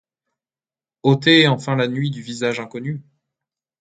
Ôter enfin la nuit du visage inconnu !